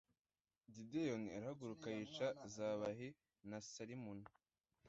gideyoni arahaguruka, yica zebahi na salimuna